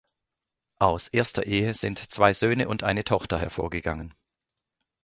Aus erster Ehe sind zwei Söhne und eine Tochter hervorgegangen.